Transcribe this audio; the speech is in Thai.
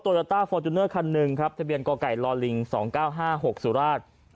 ตัวจาต้าฟอร์จูเนอร์คันหนึ่งครับทะเบียนก่อก่ายลอลิงสองเก้าห้าหกสุราช